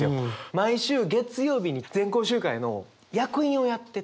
毎週月曜日に全校集会の役員をやってて。